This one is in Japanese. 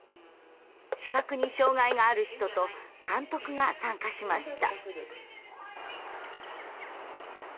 視覚に障害がある人と監督が参加しました。